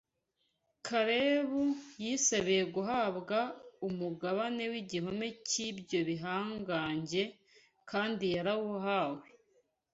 Kalebu yisabiye guhabwa umugabane w’igihome cy’ibyo bihangange kandi yarawuhawe.